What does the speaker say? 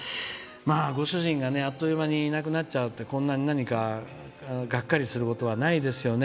ご主人があっという間にいなくなっちゃうってがっかりすることはないですよね。